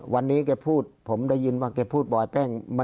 วันนี้แกพูดผมได้ยินว่าแกพูดบ่อยแป้ง